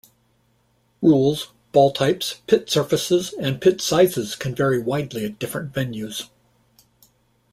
Rules, ball types, pit surfaces, and pit sizes can vary widely at different venues.